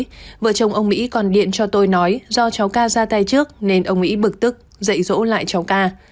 tuy nhiên vợ chồng ông mỹ còn điện cho tôi nói do cháu k ra tay trước nên ông mỹ bực tức dạy dỗ lại cháu k